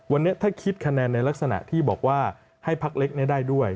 วันนี้ถ้าคิดคะแนนในลักษณะที่บอกว่าให้พักเล็กได้ด้วย